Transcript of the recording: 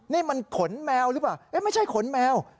นี่มันขนแมวหรือเปล่าไม่ใช่ขนแมว